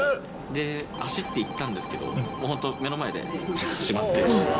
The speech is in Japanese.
で、走って行ったんですけど本当に目の前で閉まって。